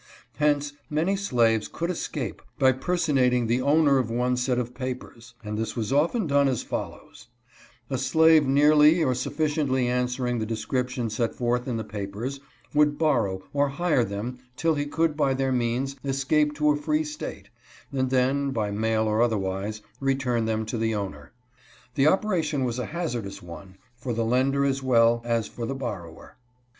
Hence many slaves could escape by personating the owner of one set of papers ; and this was often done as follows : A slave nearly or sufficiently answering the description set forth in the papers, would borrow or hire them till he could by their means escape to a free state, and then, by mail or otherwise, return them to the owner. The operation was a hazardous one 246 HAZARDOUS OPERATION. for the lender as well as for the borrower.